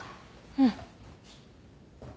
うん。